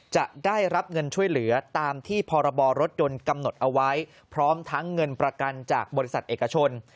จะได้รับเงินช่วยเหลือตามที่พรบรถยนต์กำหนดเอาไว้พร้อมทั้งเงินประกันจากบริษัทเอกชน